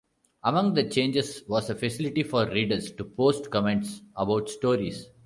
Among the changes was a facility for readers to post comments about stories.